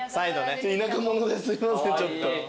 田舎者ですいませんちょっと。